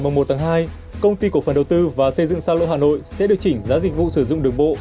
từ giờ ngày một hai công ty cổ phần đầu tư và xây dựng sa lộ hà nội sẽ điều chỉnh giá dịch vụ sử dụng đường bộ